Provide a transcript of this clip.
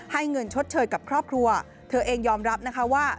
เงินชดเชยกับครอบครัวเธอเองยอมรับนะคะว่า